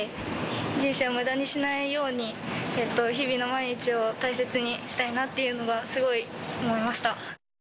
人生をむだにしないように、日々の毎日を大切にしたいなっていうのがすごい思いました。